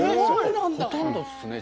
ほとんどですね。